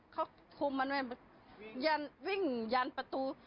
เขาพุมมันวิ่งยั่นประตู